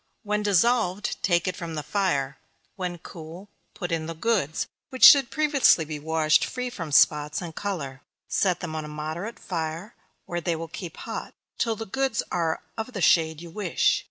When dissolved, take it from the fire; when cool, put in the goods, which should previously be washed free from spots, and color; set them on a moderate fire, where they will keep hot, till the goods are of the shade you wish.